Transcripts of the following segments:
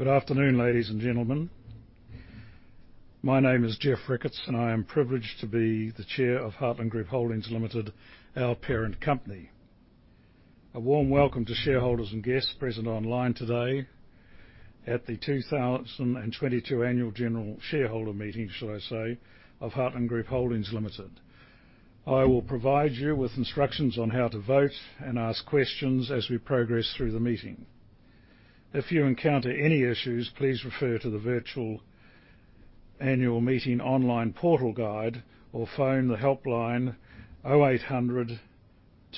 Good afternoon, ladies and gentlemen. My name is Geoff Ricketts, and I am privileged to be the chair of Heartland Group Holdings Limited, our parent company. A warm welcome to shareholders and guests present online today at the 2022 Annual General shareholder meeting of Heartland Group Holdings Limited. I will provide you with instructions on how to vote and ask questions as we progress through the meeting. If you encounter any issues, please refer to the virtual annual meeting online portal guide, or phone the helpline 0800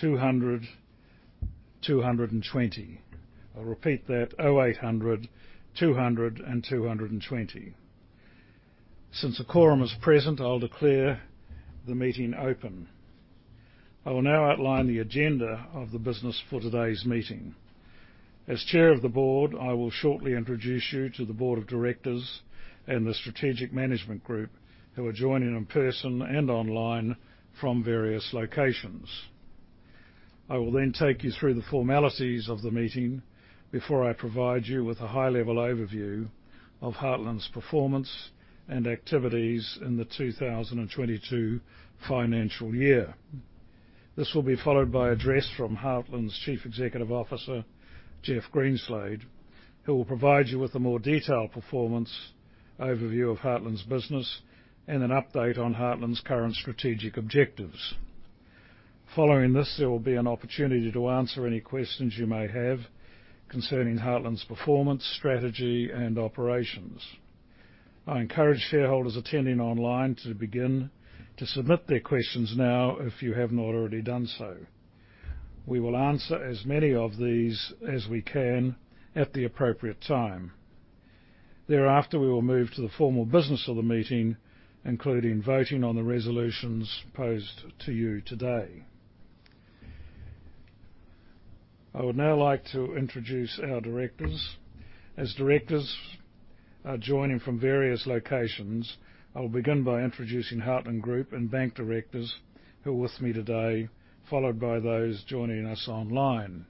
200 220. I will repeat that, 0800 200 220. Since a quorum is present, I will declare the meeting open. I will now outline the agenda of the business for today's meeting. As chair of the board, I will shortly introduce you to the board of directors and the Strategic Management Committee who are joining in person and online from various locations. I will then take you through the formalities of the meeting before I provide you with a high-level overview of Heartland's performance and activities in the FY 2022. This will be followed by address from Heartland's Chief Executive Officer, Jeff Greenslade, who will provide you with a more detailed performance overview of Heartland's business and an update on Heartland's current strategic objectives. Following this, there will be an opportunity to answer any questions you may have concerning Heartland's performance, strategy, and operations. I encourage shareholders attending online to begin to submit their questions now if you have not already done so. We will answer as many of these as we can at the appropriate time. Thereafter, we will move to the formal business of the meeting, including voting on the resolutions posed to you today. I would now like to introduce our directors. As directors are joining from various locations, I will begin by introducing Heartland Group and bank directors who are with me today, followed by those joining us online.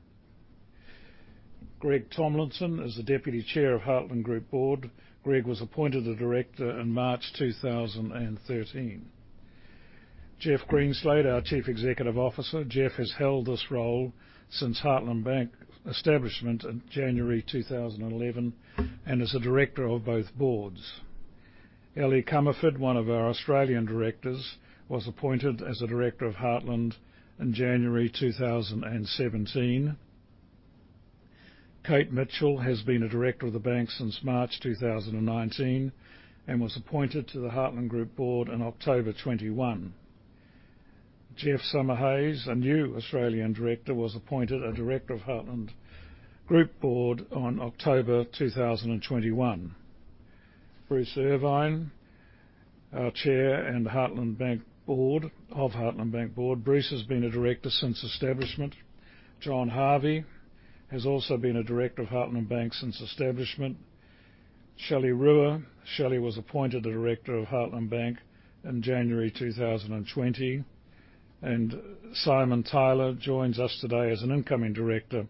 Greg Tomlinson is the Deputy Chair of Heartland Group board. Greg was appointed a director in March 2013. Jeff Greenslade, our Chief Executive Officer. Jeff has held this role since Heartland Bank establishment in January 2011 and is a director of both boards. Ellie Comerford, one of our Australian directors, was appointed as a director of Heartland in January 2017. Kate Mitchell has been a director of the bank since March 2019 and was appointed to the Heartland Group board in October 2021. Geoff Summerhayes, a new Australian director, was appointed a director of Heartland Group board on October 2021. Bruce Irvine, our chair of Heartland Bank board. Bruce has been a director since establishment. John Harvey has also been a director of Heartland Bank since establishment. Shelley Ruha. Shelley was appointed a director of Heartland Bank in January 2020. Simon Tyler joins us today as an incoming director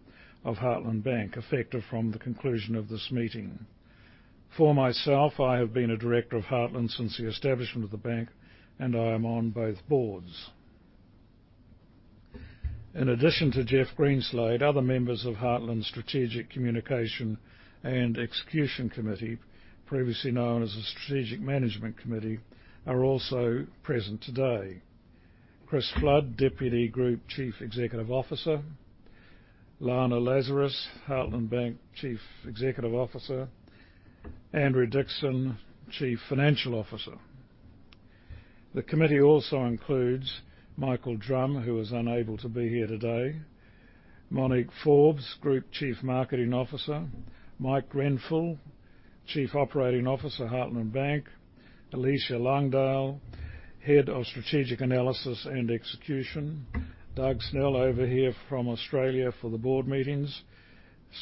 of Heartland Bank, effective from the conclusion of this meeting. For myself, I have been a director of Heartland since the establishment of the bank, and I am on both boards. In addition to Jeff Greenslade, other members of Heartland's Strategic Communication and Execution Committee, previously known as the Strategic Management Committee, are also present today. Chris Flood, Deputy Group Chief Executive Officer. Leanne Lazarus, Heartland Bank Chief Executive Officer. Andrew Dixson, Chief Financial Officer. The committee also includes Michael Drumm, who was unable to be here today. Monique Forbes, Group Chief Marketing Officer. Mike Grenfell, Chief Operating Officer, Heartland Bank. Aleisha Langdale, Head of Strategic Analysis and Execution. Doug Snell, over here from Australia for the board meetings,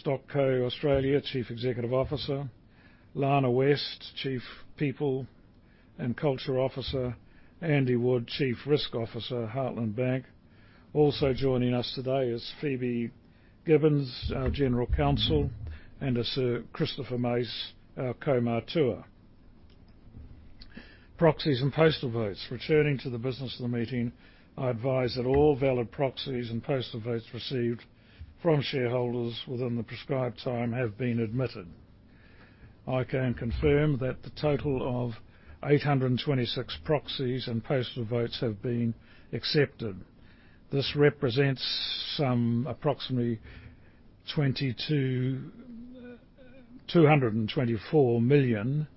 StockCo Australia Chief Executive Officer. Lana West, Chief People and Culture Officer. Andy Wood, Chief Risk Officer, Heartland Bank. Also joining us today is Phoebe Gibbons, our General Counsel, and Sir Christopher Mace, our kaumātua. Proxies and postal votes. Returning to the business of the meeting, I advise that all valid proxies and postal votes received from shareholders within the prescribed time have been admitted. I can confirm that the total of 826 proxies and postal votes have been accepted. This represents approximately 224 million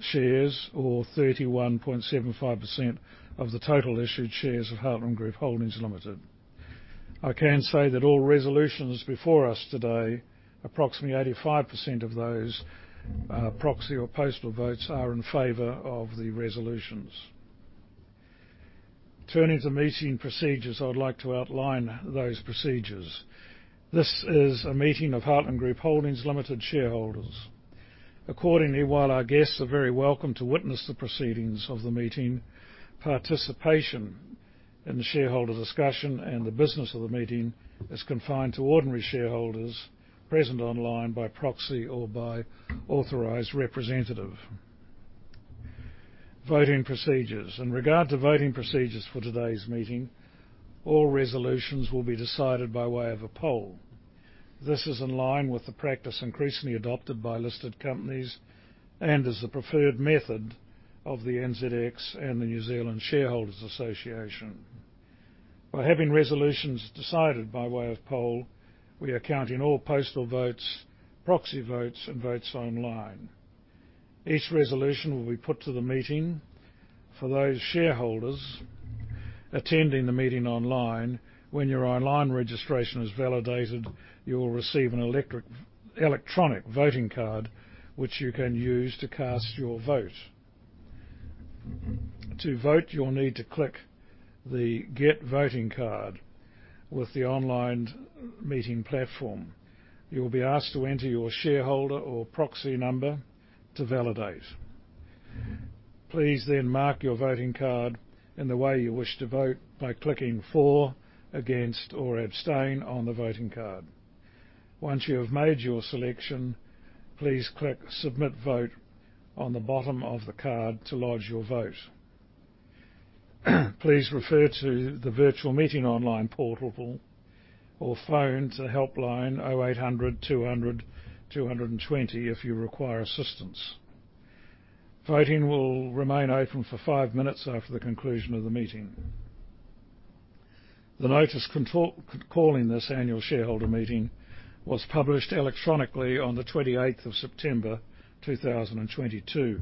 shares or 31.75% of the total issued shares of Heartland Group Holdings Limited. I can say that all resolutions before us today, approximately 85% of those proxy or postal votes, are in favor of the resolutions. Turning to meeting procedures, I would like to outline those procedures. This is a meeting of Heartland Group Holdings Limited shareholders. Accordingly, while our guests are very welcome to witness the proceedings of the meeting, participation in the shareholder discussion and the business of the meeting is confined to ordinary shareholders present online by proxy or by authorized representative. Voting procedures. In regard to voting procedures for today's meeting, all resolutions will be decided by way of a poll. This is in line with the practice increasingly adopted by listed companies and is the preferred method of the NZX and the New Zealand Shareholders' Association. By having resolutions decided by way of poll, we are counting all postal votes, proxy votes, and votes online. Each resolution will be put to the meeting. For those shareholders attending the meeting online, when your online registration is validated, you will receive an electronic voting card, which you can use to cast your vote. To vote, you'll need to click the Get Voting Card with the online meeting platform. You will be asked to enter your shareholder or proxy number to validate. Please then mark your voting card in the way you wish to vote by clicking For, Against, or Abstain on the voting card. Once you have made your selection, please click Submit Vote on the bottom of the card to lodge your vote. Please refer to the virtual meeting online portal or phone the helpline 0800 200 220 if you require assistance. Voting will remain open for five minutes after the conclusion of the meeting. The notice calling this annual shareholder meeting was published electronically on the 28th of September 2022,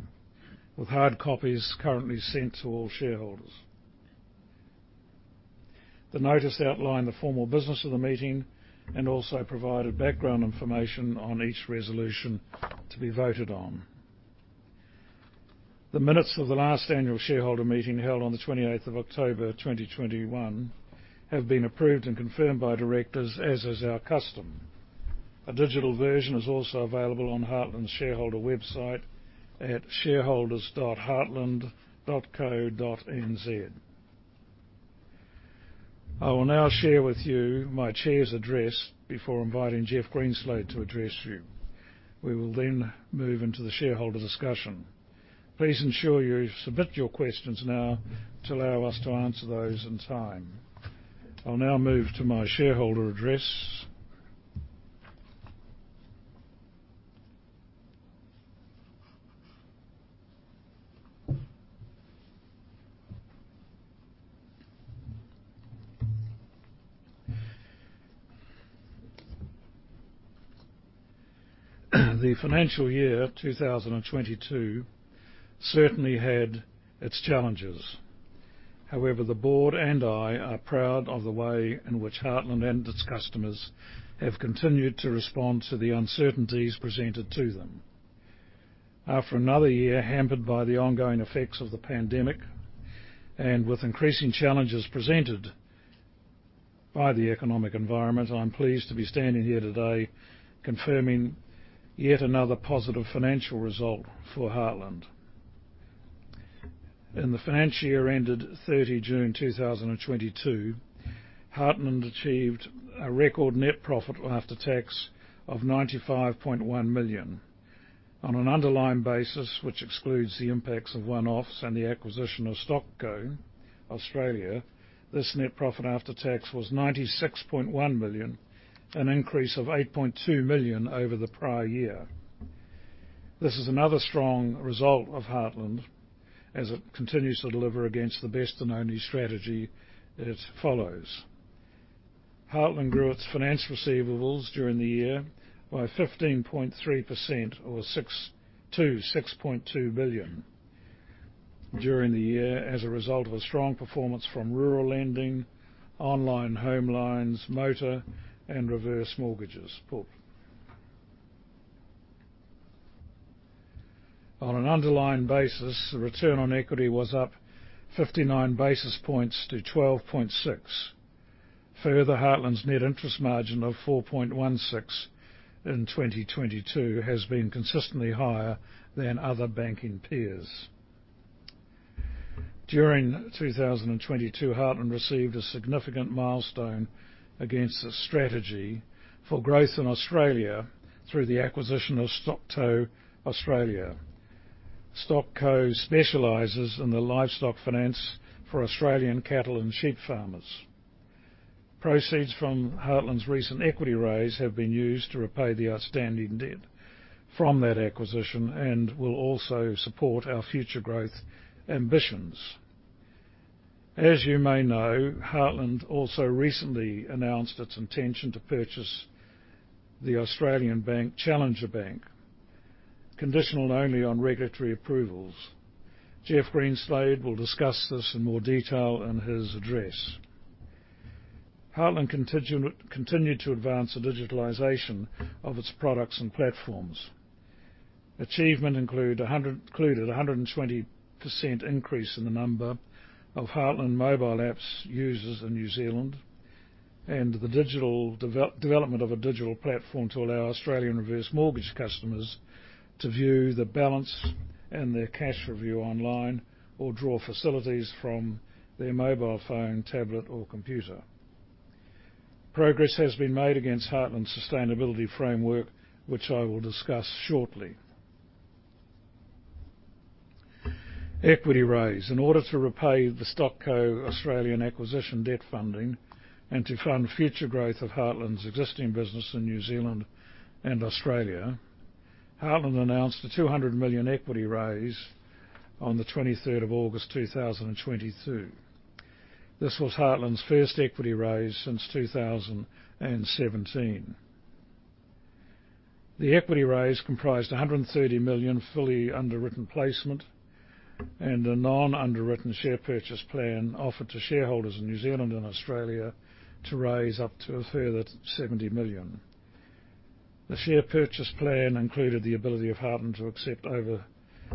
with hard copies currently sent to all shareholders. The notice outlined the formal business of the meeting and also provided background information on each resolution to be voted on. The minutes of the last annual shareholder meeting held on the 28th of October 2021 have been approved and confirmed by directors, as is our custom. A digital version is also available on Heartland's shareholder website at shareholders.heartland.co.nz. I will now share with you my chair's address before inviting Jeff Greenslade to address you. We will then move into the shareholder discussion. Please ensure you submit your questions now to allow us to answer those in time. I'll now move to my shareholder address. The financial year 2022 certainly had its challenges. However, the board and I are proud of the way in which Heartland and its customers have continued to respond to the uncertainties presented to them. After another year hampered by the ongoing effects of the pandemic, with increasing challenges presented by the economic environment, I'm pleased to be standing here today confirming yet another positive financial result for Heartland. In the financial year ended 30 June 2022, Heartland achieved a record net profit after tax of 95.1 million. On an underlying basis, which excludes the impacts of one-offs and the acquisition of StockCo Australia, this net profit after tax was 96.1 million, an increase of 8.2 million over the prior year. This is another strong result of Heartland as it continues to deliver against the best and only strategy it follows. Heartland grew its finance receivables during the year by 15.3% to 6.2 billion during the year as a result of a strong performance from rural lending, online home loans, motor, and reverse mortgages. On an underlying basis, the return on equity was up 59 basis points to 12.6%. Further, Heartland's net interest margin of 4.16% in 2022 has been consistently higher than other banking peers. During 2022, Heartland received a significant milestone against the strategy for growth in Australia through the acquisition of StockCo Australia. StockCo specializes in the livestock finance for Australian cattle and sheep farmers. Proceeds from Heartland's recent equity raise have been used to repay the outstanding debt from that acquisition and will also support our future growth ambitions. As you may know, Heartland also recently announced its intention to purchase the Australian bank, Challenger Bank, conditional only on regulatory approvals. Jeff Greenslade will discuss this in more detail in his address. Heartland continued to advance the digitalization of its products and platforms. Achievement included 120% increase in the number of Heartland mobile apps users in New Zealand. The development of a digital platform to allow Australian reverse mortgage customers to view the balance and their cash review online, or draw facilities from their mobile phone, tablet, or computer. Progress has been made against Heartland's sustainability framework, which I will discuss shortly. Equity raise. In order to repay the StockCo Australia acquisition debt funding, to fund future growth of Heartland's existing business in New Zealand and Australia, Heartland announced a 200 million equity raise on the 23rd of August 2022. This was Heartland's first equity raise since 2017. The equity raise comprised 130 million fully underwritten placement and a non-underwritten share purchase plan offered to shareholders in New Zealand and Australia to raise up to a further 70 million. The share purchase plan included the ability of Heartland to accept over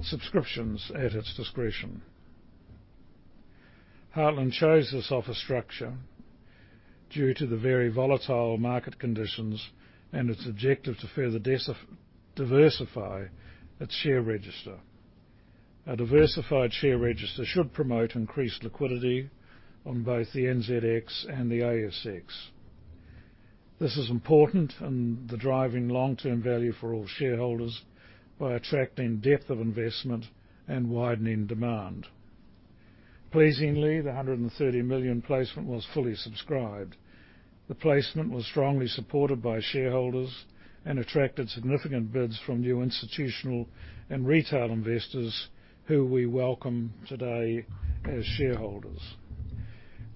subscriptions at its discretion. Heartland chose this offer structure due to the very volatile market conditions and its objective to further diversify its share register. A diversified share register should promote increased liquidity on both the NZX and the ASX. This is important in the driving long-term value for all shareholders by attracting depth of investment and widening demand. Pleasingly, the 130 million placement was fully subscribed. The placement was strongly supported by shareholders and attracted significant bids from new institutional and retail investors who we welcome today as shareholders.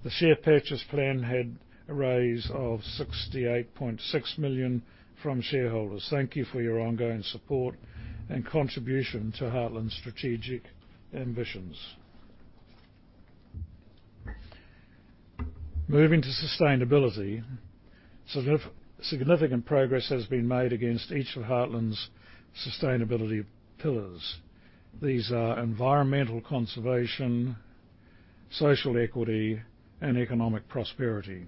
The share purchase plan had a raise of 68.6 million from shareholders. Thank you for your ongoing support and contribution to Heartland's strategic ambitions. Moving to sustainability. Significant progress has been made against each of Heartland's sustainability pillars. These are environmental conservation, social equity, and economic prosperity.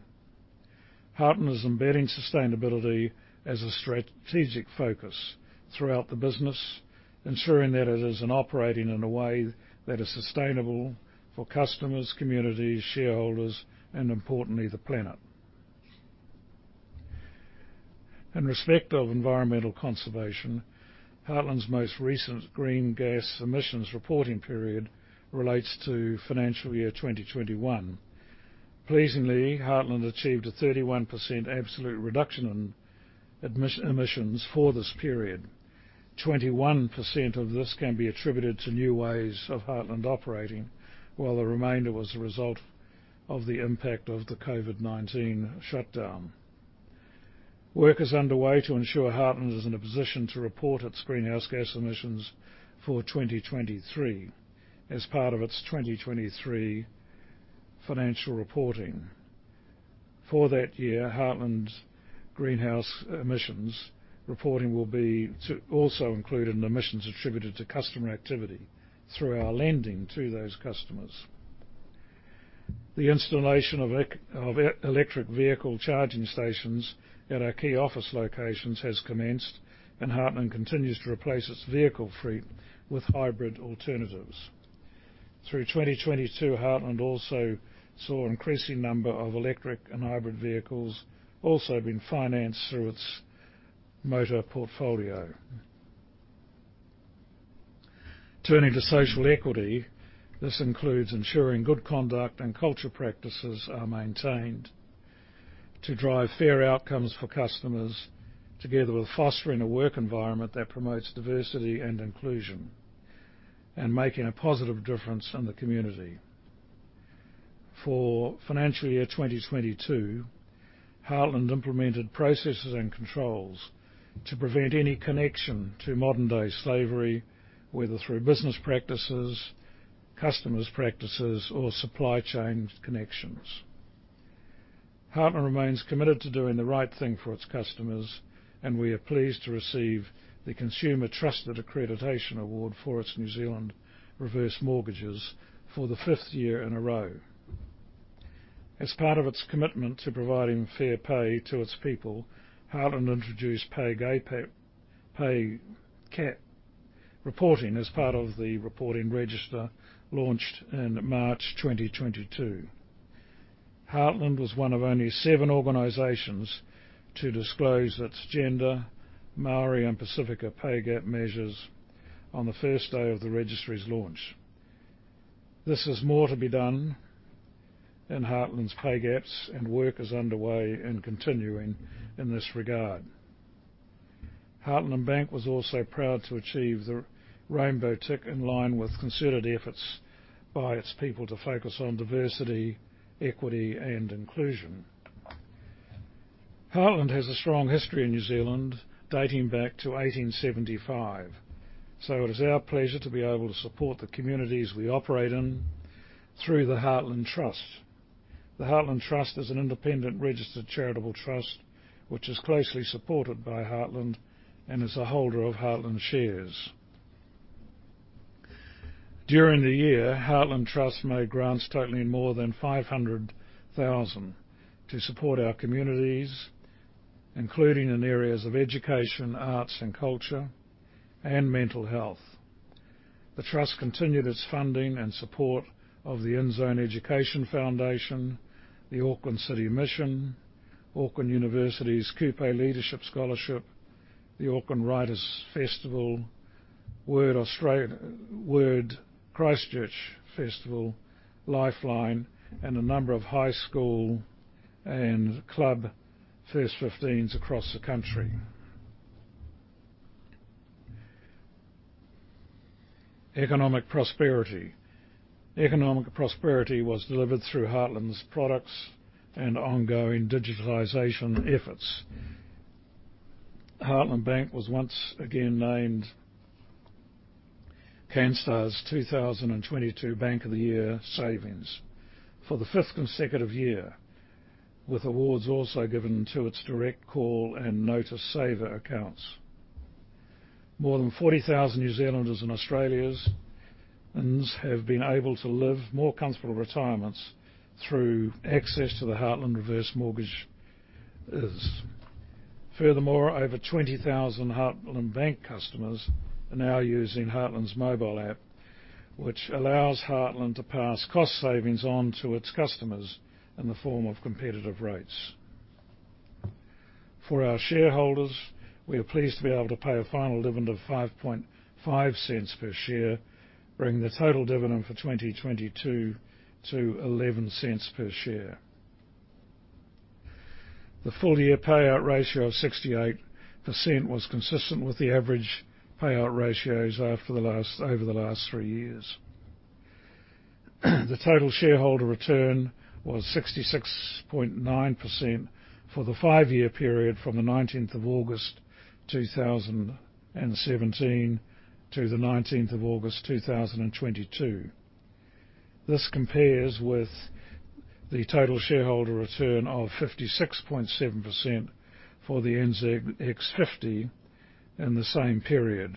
Heartland is embedding sustainability as a strategic focus throughout the business, ensuring that it is operating in a way that is sustainable for customers, communities, shareholders, and importantly, the planet. In respect of environmental conservation, Heartland's most recent greenhouse gas emissions reporting period relates to financial year 2021. Pleasingly, Heartland achieved a 31% absolute reduction in emissions for this period. 21% of this can be attributed to new ways of Heartland operating, while the remainder was a result of the impact of the COVID-19 shutdown. Work is underway to ensure Heartland is in a position to report its greenhouse gas emissions for 2023 as part of its 2023 financial reporting. For that year, Heartland's greenhouse gas emissions reporting will be to also include an emissions attributed to customer activity through our lending to those customers. The installation of electric vehicle charging stations at our key office locations has commenced. Heartland continues to replace its vehicle fleet with hybrid alternatives. Through 2022, Heartland also saw increasing number of electric and hybrid vehicles also being financed through its motor portfolio. Turning to social equity, this includes ensuring good conduct and culture practices are maintained to drive fair outcomes for customers, together with fostering a work environment that promotes diversity and inclusion, and making a positive difference in the community. For financial year 2022, Heartland implemented processes and controls to prevent any connection to modern-day slavery, whether through business practices, customers' practices, or supply chain connections. Heartland remains committed to doing the right thing for its customers. We are pleased to receive the Consumer Trusted Accreditation award for its Heartland Reverse Mortgages for the fifth year in a row. As part of its commitment to providing fair pay to its people, Heartland introduced pay gap reporting as part of the reporting register launched in March 2022. Heartland was one of only seven organizations to disclose its gender, Māori, and Pasifika pay gap measures on the first day of the registry's launch. This has more to be done in Heartland's pay gaps. Work is underway and continuing in this regard. Heartland Bank was also proud to achieve the Rainbow Tick in line with concerted efforts by its people to focus on diversity, equity, and inclusion. Heartland has a strong history in New Zealand, dating back to 1875. It is our pleasure to be able to support the communities we operate in through the Heartland Trust. The Heartland Trust is an independent registered charitable trust, which is closely supported by Heartland and is a holder of Heartland shares. During the year, Heartland Trust made grants totaling more than 500,000 to support our communities, including in areas of education, arts and culture, and mental health. The trust continued its funding and support of the InZone Education Foundation, the Auckland City Mission, University of Auckland's Kupe Leadership Scholarship, the Auckland Writers Festival, WORD Christchurch Festival, Lifeline, and a number of high school and club first XVs across the country. Economic prosperity. Economic prosperity was delivered through Heartland's products and ongoing digitalization efforts. Heartland Bank was once again named Canstar's 2022 Bank of the Year Savings for the fifth consecutive year, with awards also given to its Direct Call and Notice Saver accounts. More than 40,000 New Zealanders and Australians have been able to live more comfortable retirements through access to the Heartland Reverse Mortgages. Furthermore, over 20,000 Heartland Bank customers are now using Heartland's mobile app, which allows Heartland to pass cost savings on to its customers in the form of competitive rates. For our shareholders, we are pleased to be able to pay a final dividend of 0.055 per share, bringing the total dividend for 2022 to 0.11 per share. The full year payout ratio of 68% was consistent with the average payout ratios over the last three years. The total shareholder return was 66.9% for the five-year period from the 19th of August 2017 to the 19th of August 2022. This compares with the total shareholder return of 56.7% for the NZX50 in the same period,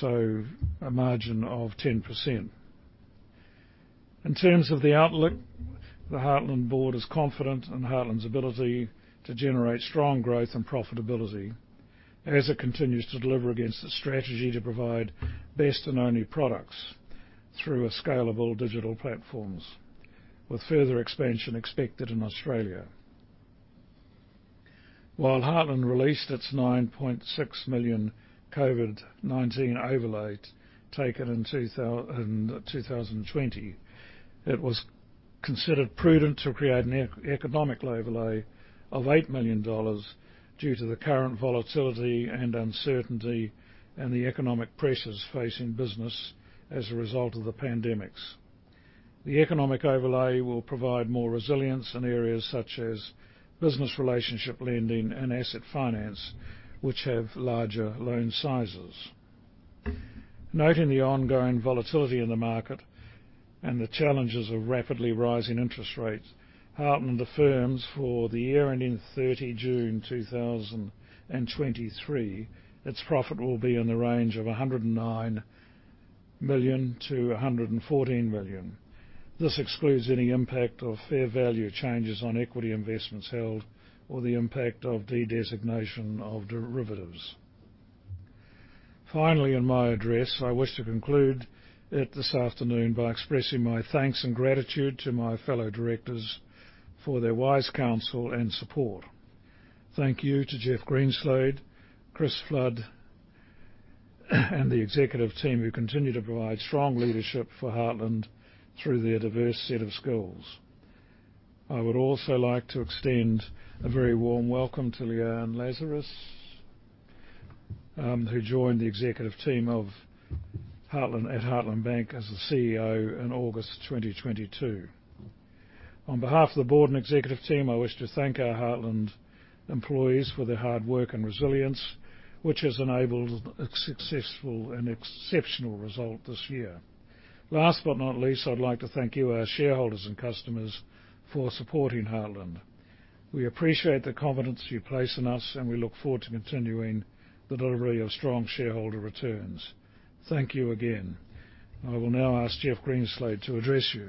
so a margin of 10%. In terms of the outlook, the Heartland board is confident in Heartland's ability to generate strong growth and profitability as it continues to deliver against the strategy to provide best and only products through scalable digital platforms, with further expansion expected in Australia. While Heartland released its 9.6 million COVID-19 overlay taken in 2020, it was considered prudent to create an economic overlay of 8 million dollars due to the current volatility and uncertainty and the economic pressures facing business as a result of the pandemic. The economic overlay will provide more resilience in areas such as business relationship lending and asset finance, which have larger loan sizes. Noting the ongoing volatility in the market and the challenges of rapidly rising interest rates, Heartland affirms for the year ending 30 June 2023, its profit will be in the range of 109 million-114 million. This excludes any impact of fair value changes on equity investments held or the impact of the designation of derivatives. Finally, in my address, I wish to conclude it this afternoon by expressing my thanks and gratitude to my fellow directors for their wise counsel and support. Thank you to Jeff Greenslade, Chris Flood, and the executive team who continue to provide strong leadership for Heartland through their diverse set of skills. I would also like to extend a very warm welcome to Leanne Lazarus, who joined the executive team at Heartland Bank as the CEO in August 2022. On behalf of the board and executive team, I wish to thank our Heartland employees for their hard work and resilience, which has enabled a successful and exceptional result this year. Last but not least, I'd like to thank you, our shareholders and customers, for supporting Heartland. We appreciate the confidence you place in us, and we look forward to continuing the delivery of strong shareholder returns. Thank you again. I will now ask Jeff Greenslade to address you.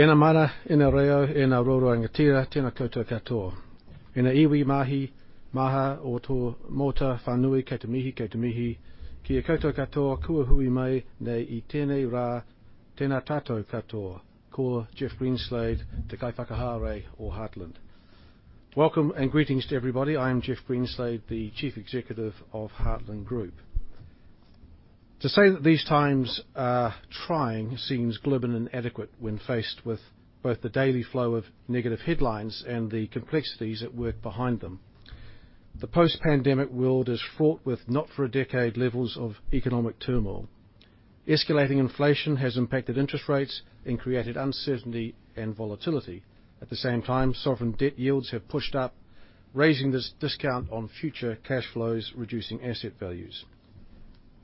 Welcome and greetings to everybody. I'm Jeff Greenslade, the Chief Executive of Heartland Group. To say that these times are trying seems glib and inadequate when faced with both the daily flow of negative headlines and the complexities at work behind them. The post-pandemic world is fraught with not for a decade levels of economic turmoil. Escalating inflation has impacted interest rates and created uncertainty and volatility. At the same time, sovereign debt yields have pushed up, raising this discount on future cash flows, reducing asset values.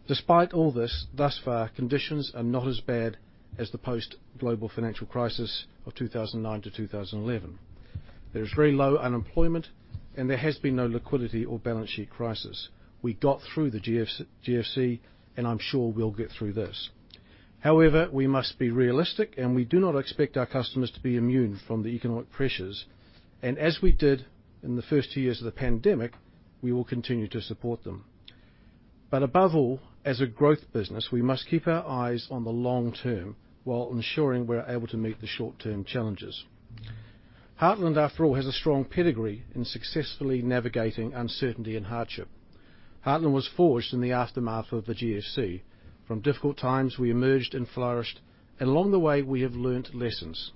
Despite all this, thus far, conditions are not as bad as the post-Global Financial Crisis of 2009-2011. There is very low unemployment, and there has been no liquidity or balance sheet crisis. We got through the GFC, I'm sure we'll get through this. We must be realistic, and we do not expect our customers to be immune from the economic pressures. As we did in the first two years of the pandemic, we will continue to support them. Above all, as a growth business, we must keep our eyes on the long term while ensuring we're able to meet the short-term challenges. Heartland, after all, has a strong pedigree in successfully navigating uncertainty and hardship. Heartland was forged in the aftermath of the GFC. From difficult times, we emerged and flourished, along the way, we have learned lessons.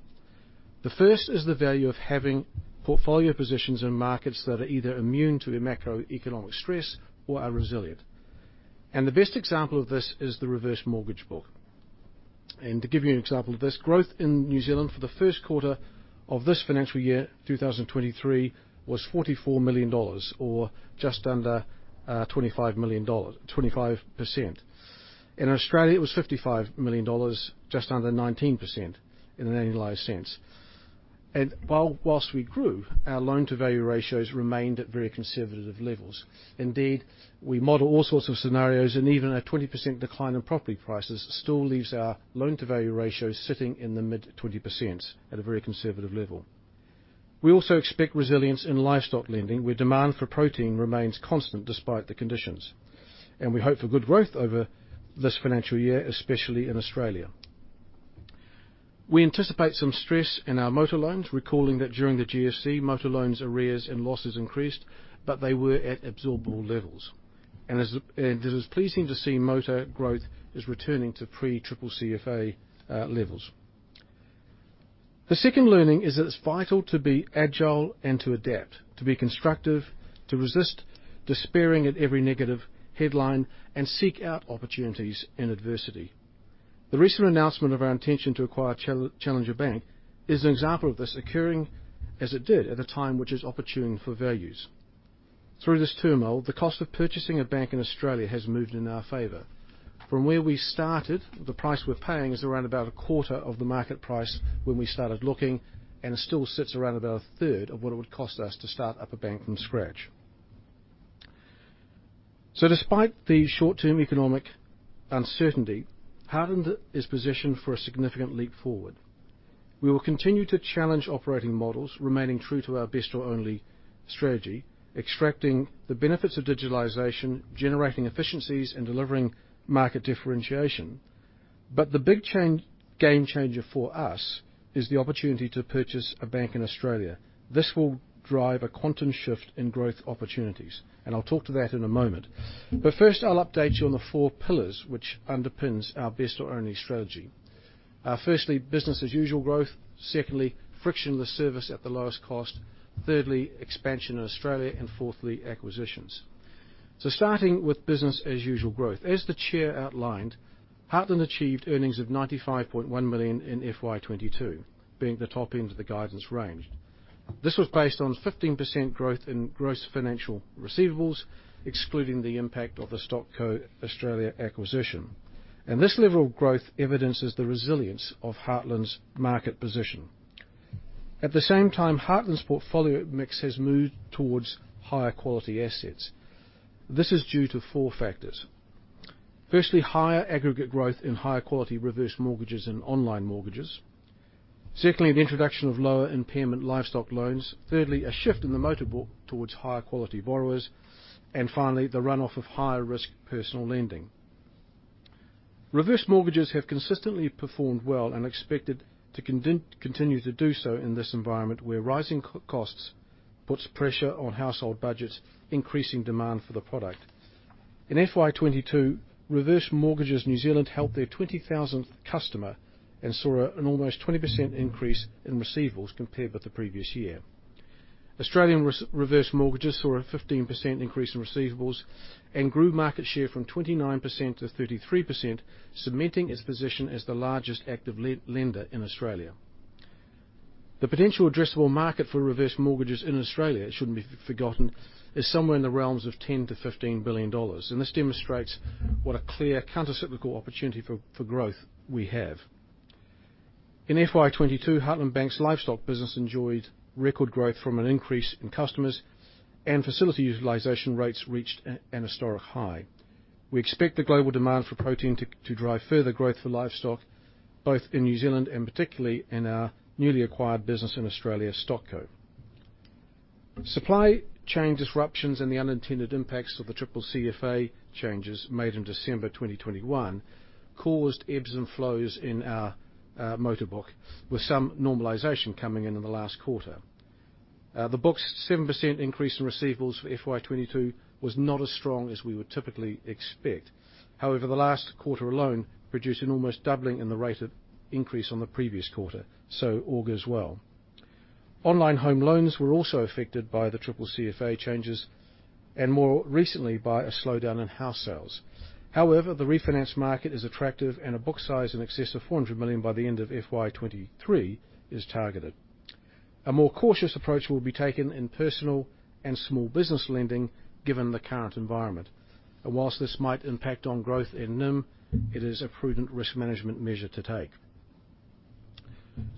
The first is the value of having portfolio positions in markets that are either immune to macroeconomic stress or are resilient. The best example of this is the reverse mortgage book. To give you an example of this, growth in New Zealand for the first quarter of this FY 2023, was NZD 44 million, or just under 25%. In Australia, it was 55 million dollars, just under 19%, in an annualized sense. Whilst we grew, our loan-to-value ratios remained at very conservative levels. Indeed, we model all sorts of scenarios, and even a 20% decline in property prices still leaves our loan-to-value ratio sitting in the mid-20%, at a very conservative level. We also expect resilience in livestock lending, where demand for protein remains constant despite the conditions. We hope for good growth over this financial year, especially in Australia. We anticipate some stress in our motor loans, recalling that during the GFC, motor loans arrears and losses increased, but they were at absorbable levels. It is pleasing to see motor growth is returning to pre-CCCFA levels. The second learning is that it's vital to be agile and to adapt, to be constructive, to resist despairing at every negative headline, and seek out opportunities in adversity. The recent announcement of our intention to acquire Challenger Bank is an example of this occurring as it did at a time which is opportune for values. Through this turmoil, the cost of purchasing a bank in Australia has moved in our favor. From where we started, the price we're paying is around about a quarter of the market price when we started looking, and it still sits around about a third of what it would cost us to start up a bank from scratch. Despite the short-term economic uncertainty, Heartland is positioned for a significant leap forward. We will continue to challenge operating models, remaining true to our best or only strategy, extracting the benefits of digitalization, generating efficiencies, and delivering market differentiation. The big game changer for us is the opportunity to purchase a bank in Australia. This will drive a quantum shift in growth opportunities, I'll talk to that in a moment. First, I'll update you on the four pillars which underpins our best or only strategy. Firstly, business as usual growth. Secondly, frictionless service at the lowest cost. Thirdly, expansion in Australia. Fourthly, acquisitions. Starting with business as usual growth. As the chair outlined, Heartland achieved earnings of 95.1 million in FY 2022, being the top end of the guidance range. This was based on 15% growth in gross financial receivables, excluding the impact of the StockCo Australia acquisition. This level of growth evidences the resilience of Heartland's market position. At the same time, Heartland's portfolio mix has moved towards higher quality assets. This is due to four factors. Firstly, higher aggregate growth in higher quality Reverse Mortgages and online mortgages. Secondly, the introduction of lower impairment livestock loans. Thirdly, a shift in the motor book towards higher quality borrowers. Finally, the runoff of higher risk personal lending. Reverse Mortgages have consistently performed well and expected to continue to do so in this environment where rising costs puts pressure on household budgets, increasing demand for the product. In FY 2022, Reverse Mortgages New Zealand helped their 20,000th customer and saw an almost 20% increase in receivables compared with the previous year. Australian Reverse Mortgages saw a 15% increase in receivables and grew market share from 29%-33%, cementing its position as the largest active lender in Australia. The potential addressable market for Reverse Mortgages in Australia, it shouldn't be forgotten, is somewhere in the realms of 10 billion-15 billion dollars. This demonstrates what a clear countercyclical opportunity for growth we have. In FY 2022, Heartland Bank's livestock business enjoyed record growth from an increase in customers, facility utilization rates reached an historic high. We expect the global demand for protein to drive further growth for livestock, both in New Zealand and particularly in our newly acquired business in Australia, StockCo. Supply chain disruptions and the unintended impacts of the CCCFA changes made in December 2021 caused ebbs and flows in our motor book, with some normalization coming in in the last quarter. The book's 7% increase in receivables for FY 2022 was not as strong as we would typically expect. However, the last quarter alone produced an almost doubling in the rate of increase on the previous quarter. All goes well. Online home loans were also affected by the CCCFA changes, more recently, by a slowdown in house sales. However, the refinance market is attractive, a book size in excess of 400 million by the end of FY 2023 is targeted. A more cautious approach will be taken in personal and small business lending, given the current environment. Whilst this might impact on growth in NIM, it is a prudent risk management measure to take.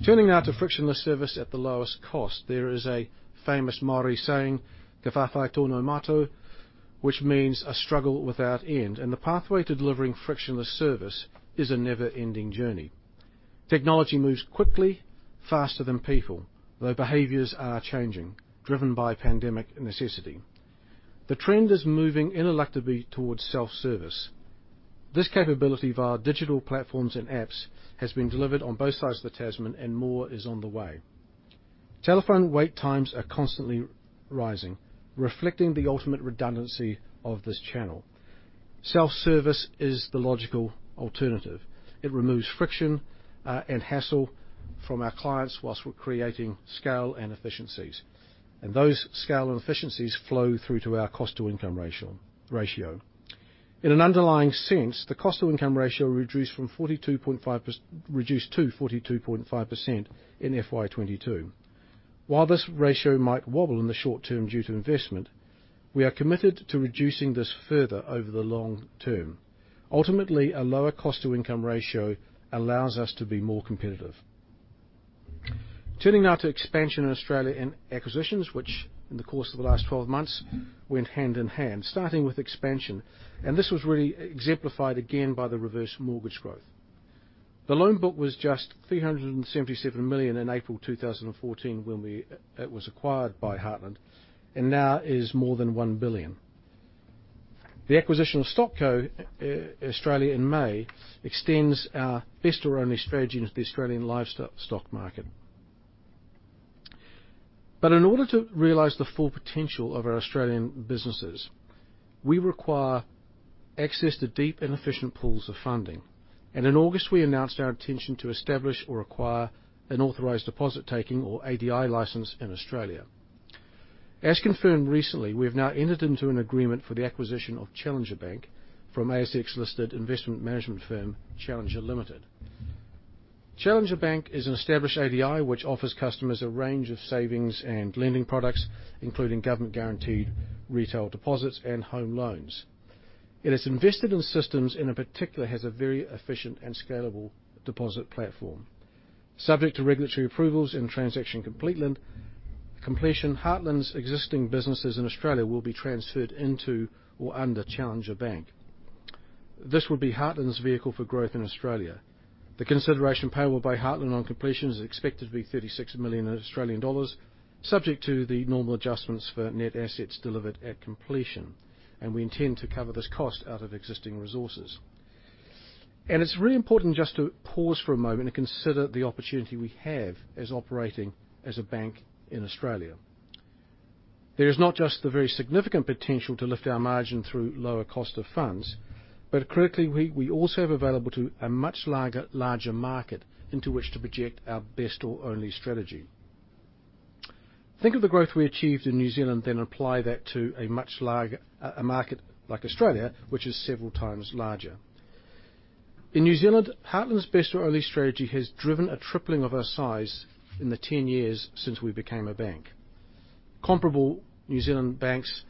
Turning now to frictionless service at the lowest cost. There is a famous Māori saying, "Ka whawhai tonu mātou," which means a struggle without end, the pathway to delivering frictionless service is a never-ending journey. Technology moves quickly, faster than people, though behaviors are changing, driven by pandemic necessity. The trend is moving ineluctably towards self-service. This capability, via our digital platforms and apps, has been delivered on both sides of the Tasman, and more is on the way. Telephone wait times are constantly rising, reflecting the ultimate redundancy of this channel. Self-service is the logical alternative. It removes friction and hassle from our clients, whilst we're creating scale and efficiencies. Those scale and efficiencies flow through to our cost to income ratio. In an underlying sense, the cost to income ratio reduced to 42.5% in FY22. While this ratio might wobble in the short term due to investment, we are committed to reducing this further over the long term. Ultimately, a lower cost to income ratio allows us to be more competitive. Turning now to expansion in Australia and acquisitions, which in the course of the last 12 months went hand in hand. Starting with expansion, this was really exemplified again by the reverse mortgage growth. The loan book was just 377 million in April 2014 when it was acquired by Heartland, and now is more than 1 billion. The acquisition of StockCo Australia in May extends our best or only strategy into the Australian livestock market. In order to realize the full potential of our Australian businesses, we require access to deep and efficient pools of funding. In August, we announced our intention to establish or acquire an authorized deposit taking, or ADI license in Australia. As confirmed recently, we have now entered into an agreement for the acquisition of Challenger Bank from ASX listed investment management firm, Challenger Limited. Challenger Bank is an established ADI which offers customers a range of savings and lending products, including government guaranteed retail deposits and home loans. It has invested in systems, and in particular, has a very efficient and scalable deposit platform. Subject to regulatory approvals and transaction completion, Heartland's existing businesses in Australia will be transferred into or under Challenger Bank. This will be Heartland's vehicle for growth in Australia. The consideration payable by Heartland on completion is expected to be 36 million Australian dollars, subject to the normal adjustments for net assets delivered at completion. We intend to cover this cost out of existing resources. It's really important just to pause for a moment and consider the opportunity we have as operating as a bank in Australia. There is not just the very significant potential to lift our margin through lower cost of funds, but critically, we also have available to a much larger market into which to project our best or only strategy. Think of the growth we achieved in New Zealand, apply that to a market like Australia, which is several times larger. In New Zealand, Heartland's best or only strategy has driven a tripling of our size in the 10 years since we became a bank. Comparable New Zealand banks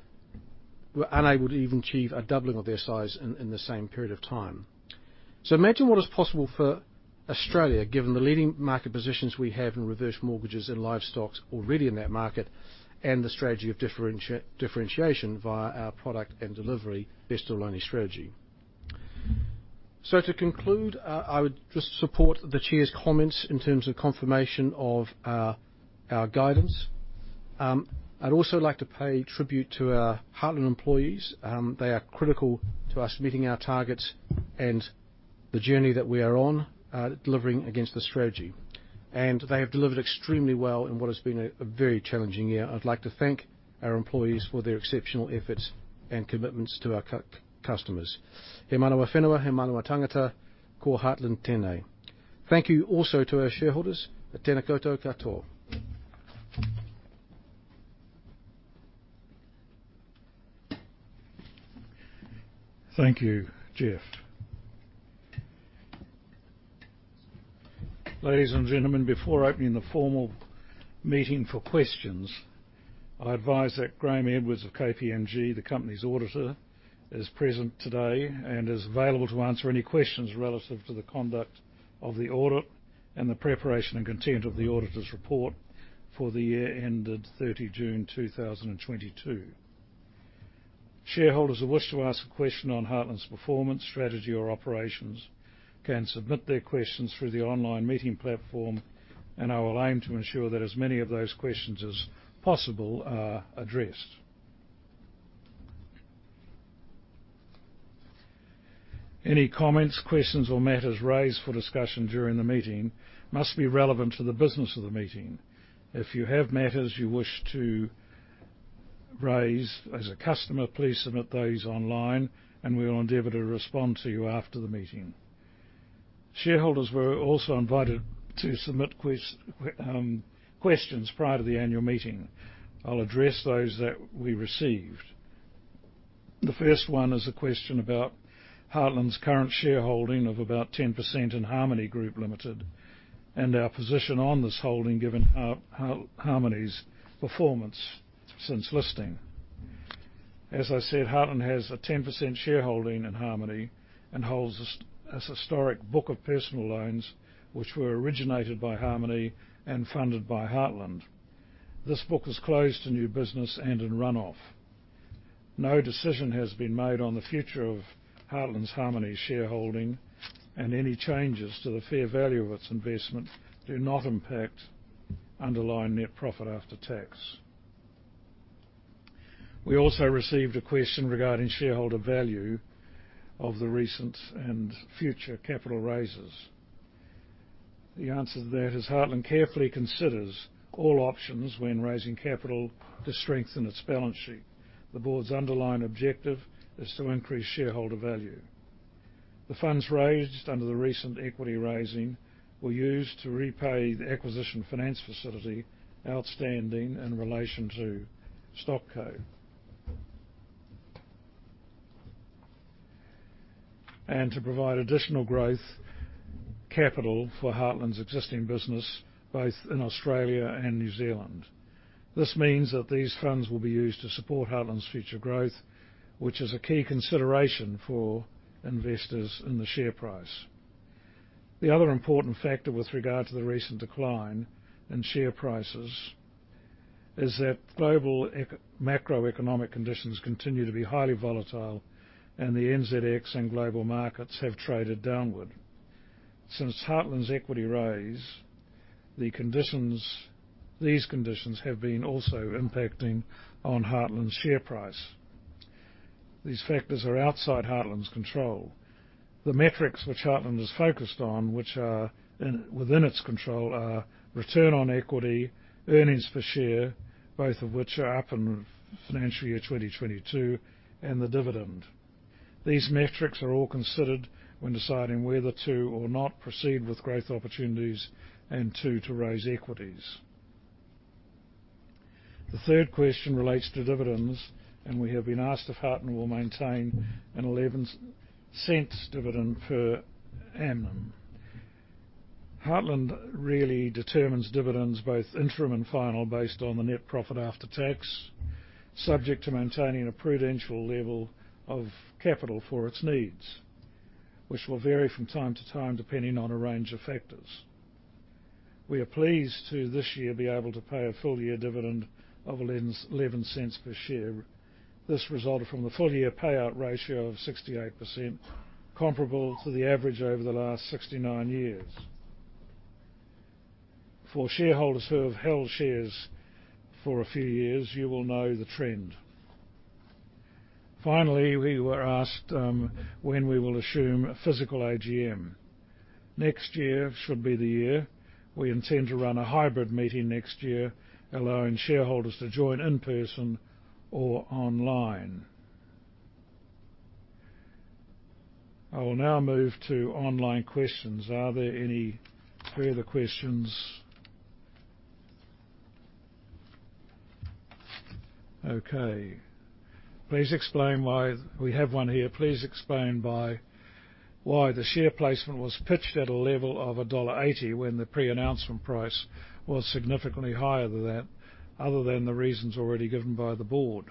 were unable to even achieve a doubling of their size in the same period of time. Imagine what is possible for Australia, given the leading market positions we have in reverse mortgages and livestock already in that market, and the strategy of differentiation via our product and delivery best or only strategy. To conclude, I would just support the chair's comments in terms of confirmation of our guidance. I'd also like to pay tribute to our Heartland employees. They are critical to us meeting our targets and the journey that we are on, delivering against the strategy. They have delivered extremely well in what has been a very challenging year. I'd like to thank our employees for their exceptional efforts and commitments to our customers. Thank you also to our shareholders. Thank you, Jeff. Ladies and gentlemen, before opening the formal meeting for questions, I advise that Graeme Edwards of KPMG, the company's auditor, is present today and is available to answer any questions relative to the conduct of the audit and the preparation and content of the auditor's report for the year ended 30 June 2022. Shareholders who wish to ask a question on Heartland's performance, strategy, or operations can submit their questions through the online meeting platform. I will aim to ensure that as many of those questions as possible are addressed. Any comments, questions, or matters raised for discussion during the meeting must be relevant to the business of the meeting. If you have matters you wish to raise as a customer, please submit those online and we will endeavor to respond to you after the meeting. Shareholders were also invited to submit questions prior to the annual meeting. I'll address those that we received. The first one is a question about Heartland's current shareholding of about 10% in Harmoney Group Limited, our position on this holding given Harmoney's performance since listing. As I said, Heartland has a 10% shareholding in Harmoney, holds a historic book of personal loans, which were originated by Harmoney and funded by Heartland. This book is closed to new business, in runoff. No decision has been made on the future of Heartland's Harmoney shareholding. Any changes to the fair value of its investment do not impact underlying net profit after tax. We also received a question regarding shareholder value of the recent and future capital raises. The answer to that is Heartland carefully considers all options when raising capital to strengthen its balance sheet. The board's underlying objective is to increase shareholder value. The funds raised under the recent equity raising were used to repay the acquisition finance facility outstanding in relation to StockCo, to provide additional growth capital for Heartland's existing business, both in Australia and New Zealand. This means that these funds will be used to support Heartland's future growth, which is a key consideration for investors in the share price. The other important factor with regard to the recent decline in share prices is that global macroeconomic conditions continue to be highly volatile. The NZX and global markets have traded downward. Since Heartland's equity raise, these conditions have been also impacting on Heartland's share price. These factors are outside Heartland's control. The metrics which Heartland is focused on, which are within its control, are return on equity, earnings per share, both of which are up in FY 2022, and the dividend. These metrics are all considered when deciding whether to or not proceed with growth opportunities and to raise equities. The third question relates to dividends, and we have been asked if Heartland will maintain an 0.11 dividend per annum. Heartland really determines dividends, both interim and final, based on the net profit after tax, subject to maintaining a prudential level of capital for its needs, which will vary from time to time depending on a range of factors. We are pleased to this year be able to pay a full year dividend of 0.11 per share. This resulted from the full year payout ratio of 68%, comparable to the average over the last 69 years. For shareholders who have held shares for a few years, you will know the trend. Finally, we were asked when we will assume a physical AGM. Next year should be the year. We intend to run a hybrid meeting next year, allowing shareholders to join in person or online. I will now move to online questions. Are there any further questions? Okay. We have one here. Please explain why the share placement was pitched at a level of NZD 1.80 when the pre-announcement price was significantly higher than that, other than the reasons already given by the board.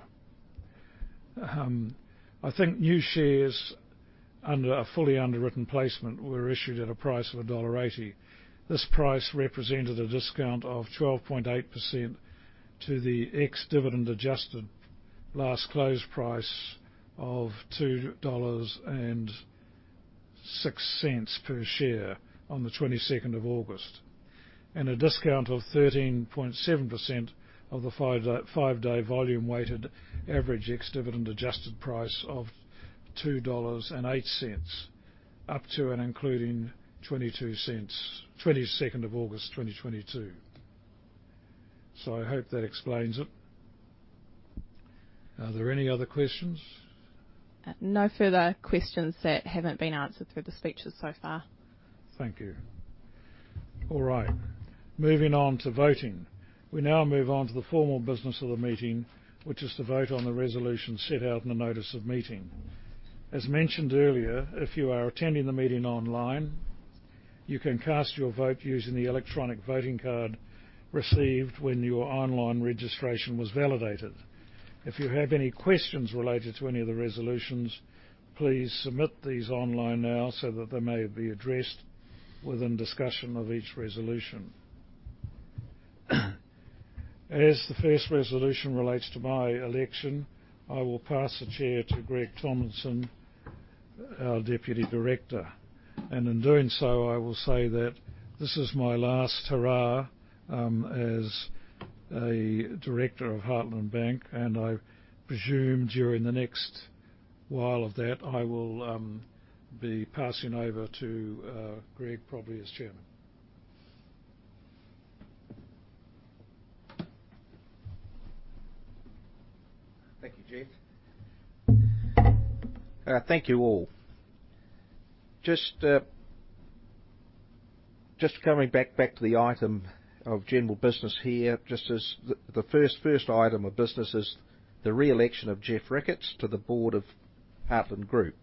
I think new shares under a fully underwritten placement were issued at a price of dollar 1.80. This price represented a discount of 12.8% to the ex-dividend adjusted last close price of 2.06 dollars per share on the 22nd of August, and a discount of 13.7% of the five-day volume weighted average ex-dividend adjusted price of 2.08 dollars, up to and including 22nd of August 2022. So I hope that explains it. Are there any other questions? No further questions that haven't been answered through the speeches so far. Thank you. All right. Moving on to voting. We now move on to the formal business of the meeting, which is to vote on the resolution set out in the notice of meeting. As mentioned earlier, if you are attending the meeting online, you can cast your vote using the electronic voting card received when your online registration was validated. If you have any questions related to any of the resolutions, please submit these online now so that they may be addressed within discussion of each resolution. As the first resolution relates to my election, I will pass the Chair to Greg Tomlinson, our Deputy Director. In doing so, I will say that this is my last hurrah as a Director of Heartland Bank, and I presume during the next while of that, I will be passing over to Greg probably as Chairman. Thank you, Geoff. Thank you all. Just coming back to the item of general business here. The first item of business is the re-election of Geoff Ricketts to the board of Heartland Group.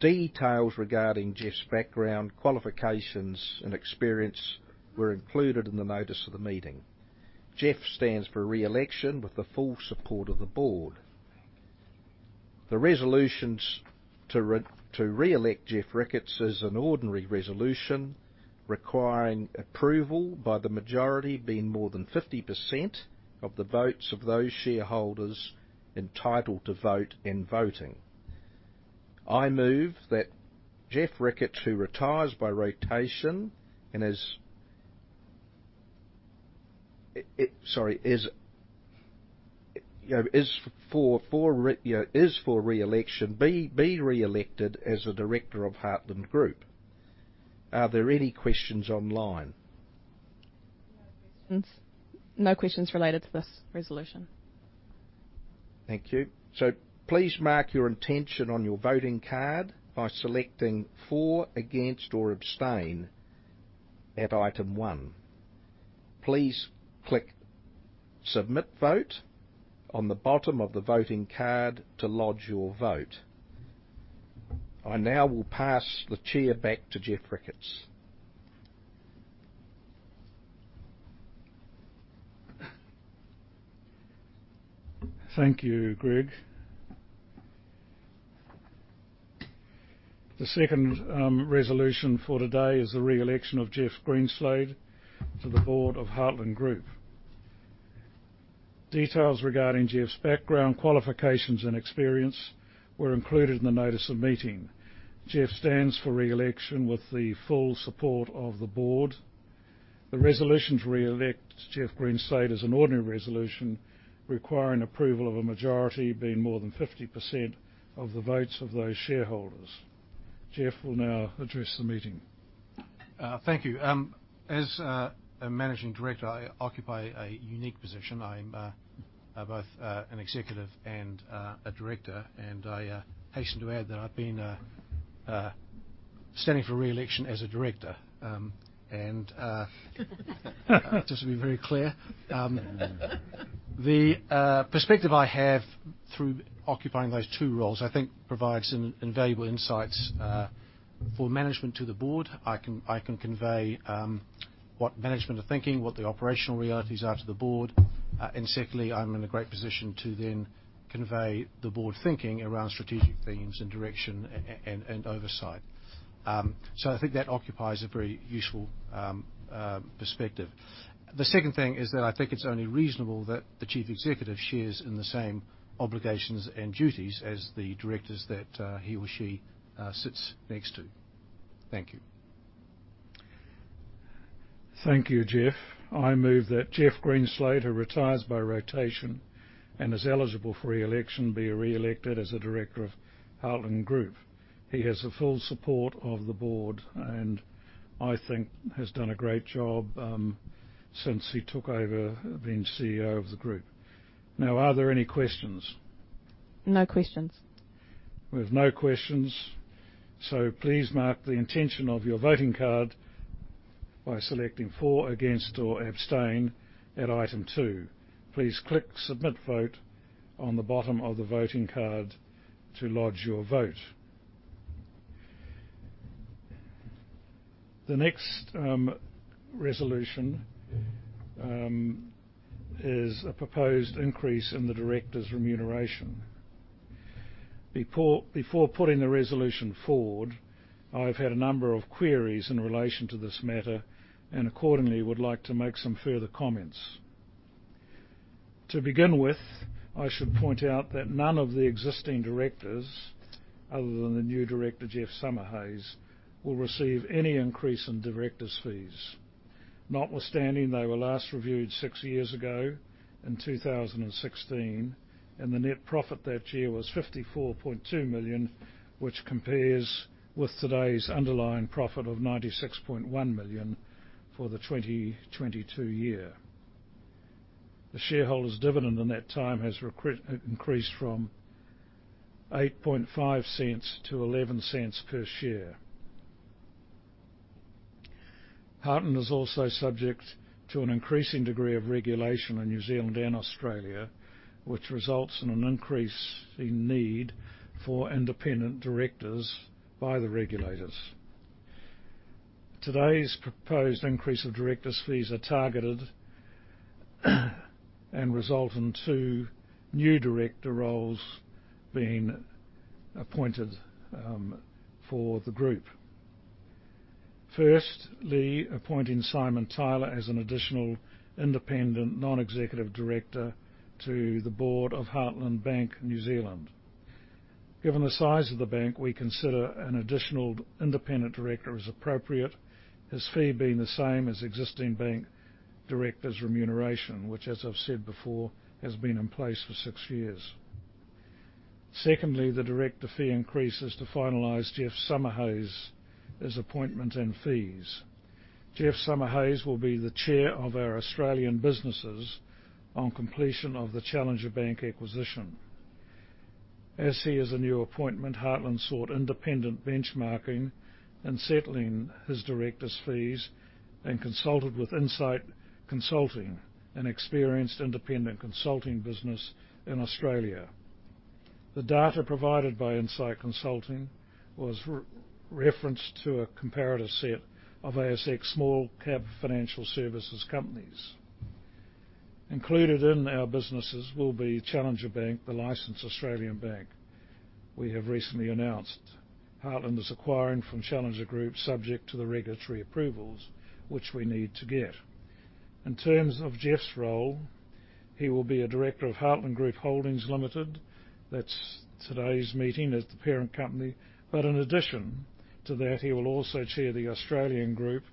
Details regarding Geoff's background, qualifications, and experience were included in the notice of the meeting. Geoff stands for re-election with the full support of the board. The resolutions to re-elect Geoff Ricketts is an ordinary resolution requiring approval by the majority being more than 50% of the votes of those shareholders entitled to vote in voting. I move that Geoff Ricketts, who retires by rotation and is for re-election, be re-elected as a director of Heartland Group. Are there any questions online? No questions related to this resolution. Thank you. Please mark your intention on your voting card by selecting for, against, or abstain at item 1. Please click Submit Vote on the bottom of the voting card to lodge your vote. I now will pass the chair back to Geoff Ricketts. Thank you, Greg. The second resolution for today is the re-election of Jeff Greenslade to the board of Heartland Group. Details regarding Jeff's background, qualifications, and experience were included in the notice of meeting. Jeff stands for re-election with the full support of the board. The resolution to re-elect Jeff Greenslade is an ordinary resolution requiring approval of a majority being more than 50% of the votes of those shareholders. Jeff will now address the meeting. Thank you. As managing director, I occupy a unique position. I'm both an executive and a director. I hasten to add that I've been standing for re-election as a director. Just to be very clear. The perspective I have through occupying those two roles, I think provides some invaluable insights for management to the board. I can convey what management are thinking, what the operational realities are to the board. Secondly, I'm in a great position to then convey the board thinking around strategic themes and direction and oversight. I think that occupies a very useful perspective. The second thing is that I think it's only reasonable that the Chief Executive shares in the same obligations and duties as the directors that he or she sits next to. Thank you. Thank you, Jeff. I move that Jeff Greenslade, who retires by rotation and is eligible for re-election, be re-elected as a director of Heartland Group. He has the full support of the board. I think has done a great job since he took over being CEO of the group. Are there any questions? No questions. We have no questions. Please mark the intention of your voting card by selecting for, against, or abstain at item two. Please click Submit Vote on the bottom of the voting card to lodge your vote. The next resolution is a proposed increase in the directors' remuneration. Before putting the resolution forward, I've had a number of queries in relation to this matter. Accordingly, would like to make some further comments. To begin with, I should point out that none of the existing directors, other than the new director, Geoff Summerhayes, will receive any increase in directors' fees. Notwithstanding, they were last reviewed six years ago in 2016. The net profit that year was 54.2 million, which compares with today's underlying profit of 96.1 million for the 2022 year. The shareholders' dividend in that time has increased from 0.085 to 0.11 per share. Heartland is also subject to an increasing degree of regulation in New Zealand and Australia, which results in an increasing need for independent directors by the regulators. Today's proposed increase of directors' fees are targeted and result in two new director roles being appointed for the group. Firstly, appointing Simon Tyler as an additional independent non-executive director to the board of Heartland Bank, New Zealand. Given the size of the bank, we consider an additional independent director is appropriate, his fee being the same as existing bank directors' remuneration, which as I've said before, has been in place for six years. Secondly, the director fee increase is to finalize Geoff Summerhayes' appointment and fees. Geoff Summerhayes will be the chair of our Australian businesses on completion of the Challenger Bank acquisition. As he is a new appointment, Heartland sought independent benchmarking in settling his director's fees and consulted with Insight Consulting, an experienced independent consulting business in Australia. The data provided by Insight Consulting was referenced to a comparative set of ASX small-cap financial services companies. Included in our businesses will be Challenger Bank, the licensed Australian bank we have recently announced. Heartland is acquiring from Challenger Group subject to the regulatory approvals which we need to get. In terms of Geoff's role, he will be a director of Heartland Group Holdings Limited. That's today's meeting as the parent company. In addition to that, he will also chair the Australian Group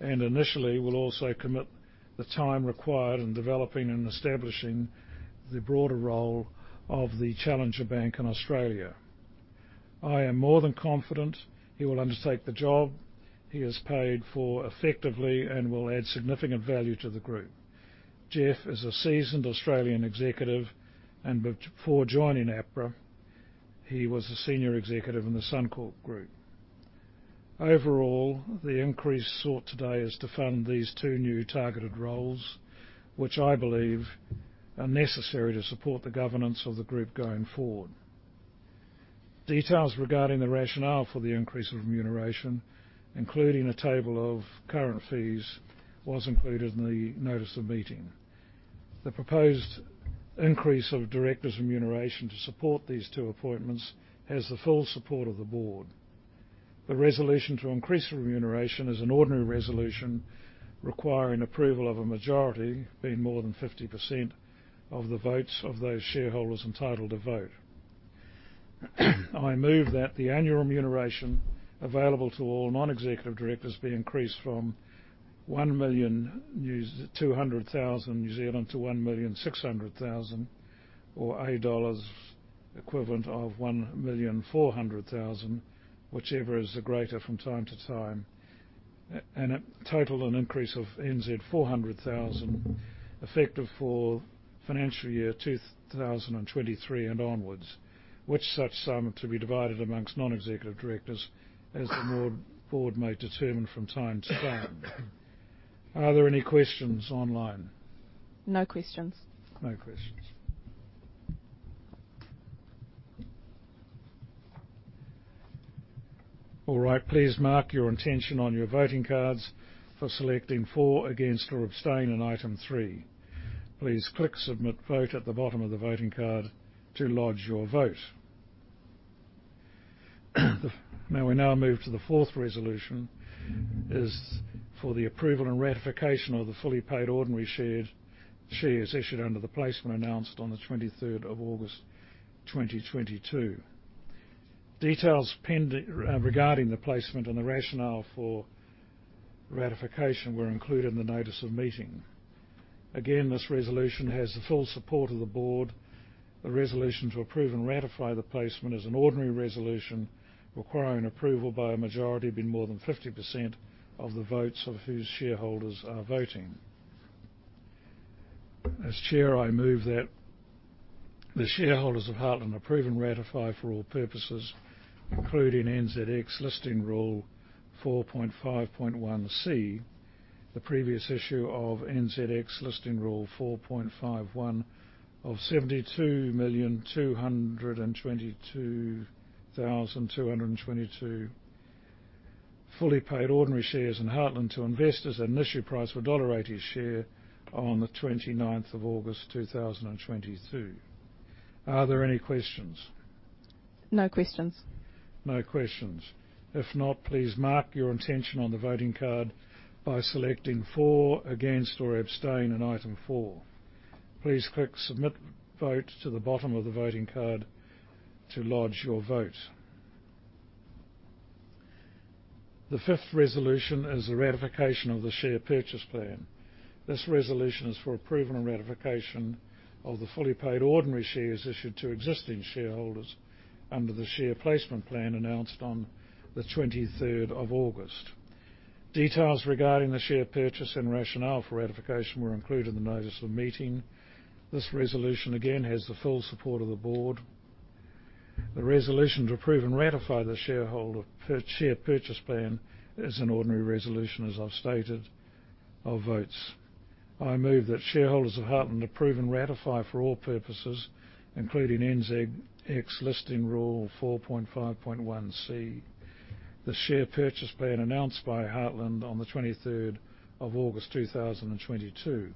and initially will also commit the time required in developing and establishing the broader role of the Challenger Bank in Australia. I am more than confident he will undertake the job he is paid for effectively and will add significant value to the group. Geoff is a seasoned Australian executive, and before joining APRA, he was a senior executive in the Suncorp Group. Overall, the increase sought today is to fund these two new targeted roles, which I believe are necessary to support the governance of the group going forward. Details regarding the rationale for the increase of remuneration, including a table of current fees, was included in the notice of meeting. The proposed increase of director's remuneration to support these two appointments has the full support of the board. The resolution to increase the remuneration is an ordinary resolution requiring approval of a majority, being more than 50%, of the votes of those shareholders entitled to vote. I move that the annual remuneration available to all non-executive directors be increased from 1,200,000 to 1,600,000, or AUD equivalent of 1,400,000, whichever is the greater from time to time. A total increase of 400,000 effective for FY 2023 and onwards, which such sum to be divided amongst non-executive directors as the board may determine from time to time. Are there any questions online? No questions. No questions. All right. Please mark your intention on your voting cards for selecting for, against, or abstain on item three. Please click Submit Vote at the bottom of the voting card to lodge your vote. May we now move to the fourth resolution, is for the approval and ratification of the fully paid ordinary shares issued under the placement announced on the 23rd of August 2022. Details regarding the placement and the rationale for ratification were included in the notice of meeting. Again, this resolution has the full support of the board. The resolution to approve and ratify the placement is an ordinary resolution requiring approval by a majority of more than 50% of the votes of whose shareholders are voting. As chair, I move that the shareholders of Heartland approve and ratify for all purposes, including NZX Listing Rule 4.5.1(c), the previous issue of NZX Listing Rule 4.5.1 of 72,222,222 fully paid ordinary shares in Heartland to investors at an issue price of NZD 1.80 a share on the 29th of August 2022. Are there any questions? No questions. No questions. If not, please mark your intention on the voting card by selecting for, against, or abstain on item 4. Please click Submit Vote to the bottom of the voting card to lodge your vote. The fifth resolution is the ratification of the share purchase plan. This resolution is for approval and ratification of the fully paid ordinary shares issued to existing shareholders under the share purchase plan announced on the 23rd of August. Details regarding the share purchase and rationale for ratification were included in the notice of meeting. This resolution, again, has the full support of the board. The resolution to approve and ratify the share purchase plan is an ordinary resolution, as I've stated. I move that shareholders of Heartland approve and ratify for all purposes, including NZX Listing Rule 4.5.1(c), the share purchase plan announced by Heartland on the 23rd of August 2022,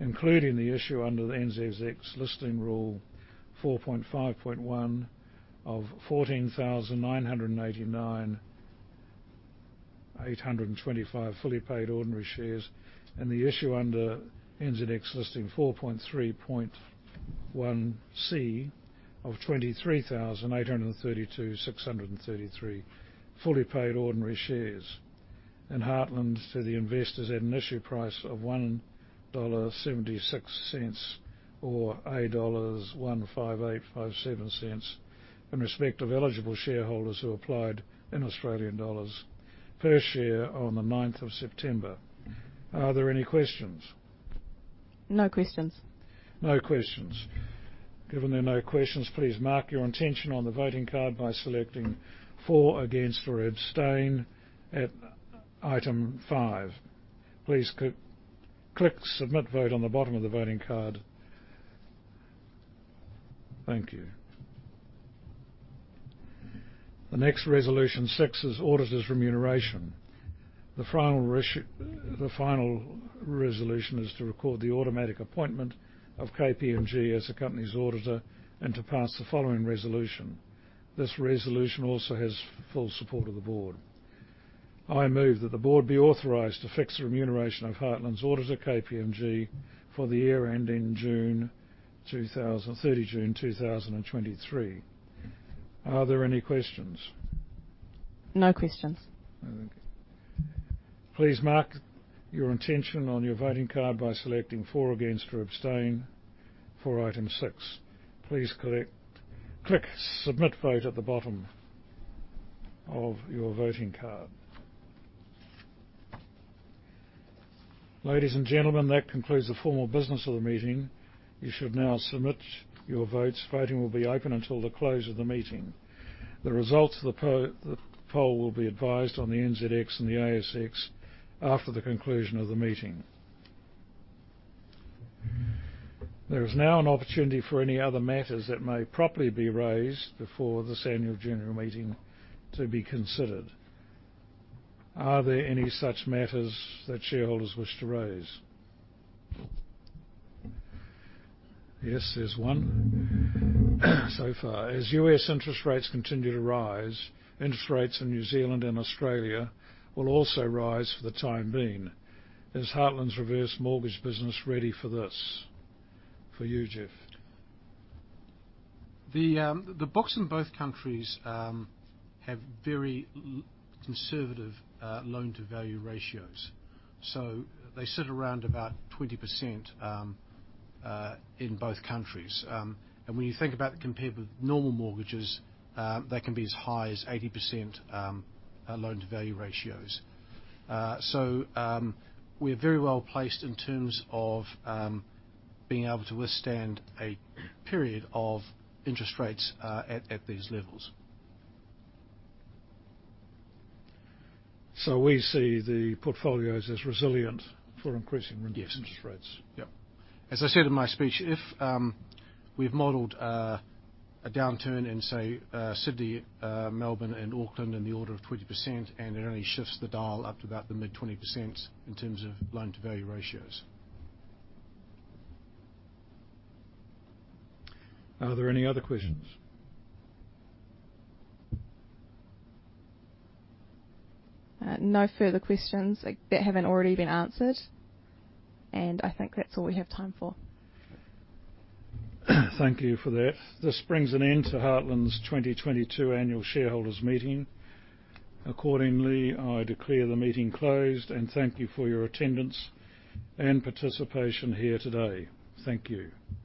including the issue under the NZX Listing Rule 4.5.1 of 14,989,825 fully paid ordinary shares and the issue under NZX Listing Rule 4.3.1(c) of 23,832,633 fully paid ordinary shares in Heartland to the investors at an issue price of 1.76 dollar or dollars 1.5857 in respect of eligible shareholders who applied in Australian dollars per share on the 9th of September. Are there any questions? No questions. No questions. Given there are no questions, please mark your intention on the voting card by selecting for, against, or abstain at item 5. Please click Submit Vote on the bottom of the voting card. Thank you. The next resolution 6 is auditor's remuneration. The final resolution is to record the automatic appointment of KPMG as the company's auditor, and to pass the following resolution. This resolution also has full support of the board. I move that the board be authorized to fix the remuneration of Heartland's auditor, KPMG, for the year ending 30 June 2023. Are there any questions? No questions. Okay. Please mark your intention on your voting card by selecting for, against, or abstain for item six. Please click Submit Vote at the bottom of your voting card. Ladies and gentlemen, that concludes the formal business of the meeting. You should now submit your votes. Voting will be open until the close of the meeting. The results of the poll will be advised on the NZX and the ASX after the conclusion of the meeting. There is now an opportunity for any other matters that may properly be raised before this annual general meeting to be considered. Are there any such matters that shareholders wish to raise? Yes, there's one so far. As U.S. interest rates continue to rise, interest rates in New Zealand and Australia will also rise for the time being. Is Heartland's reverse mortgage business ready for this? For you, Jeff. The books in both countries have very conservative loan-to-value ratios. They sit around about 20% in both countries. When you think about it compared with normal mortgages, they can be as high as 80% loan-to-value ratios. We're very well-placed in terms of being able to withstand a period of interest rates at these levels. We see the portfolios as resilient for. Yes interest rates? Yep. As I said in my speech, we've modeled a downturn in, say, Sydney, Melbourne, and Auckland in the order of 20%, and it only shifts the dial up to about the mid-20% in terms of loan-to-value ratios. Are there any other questions? No further questions that haven't already been answered, and I think that's all we have time for. Thank you for that. This brings an end to Heartland's 2022 annual shareholders' meeting. Accordingly, I declare the meeting closed, and thank you for your attendance and participation here today. Thank you